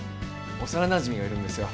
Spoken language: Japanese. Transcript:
幼なじみがいるんですよ。